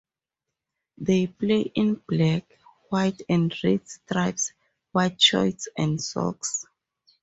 They play in black, white and red stripes, white shorts and socks.